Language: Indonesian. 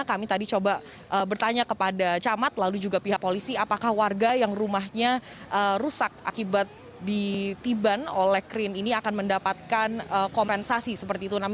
kami tadi coba bertanya kepada camat lalu juga pihak polisi apakah warga yang rumahnya rusak akibat ditiban oleh krin ini akan mendapatkan kompensasi seperti itu